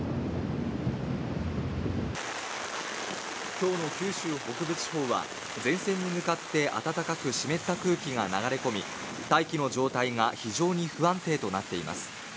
今日の九州北部地方は前線に向かって暖かく湿った空気が流れ込み大気の状態が非常に不安定となっています。